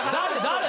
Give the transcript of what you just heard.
誰？